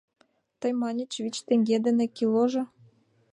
Тый маньыч: вич теҥге дене киложо.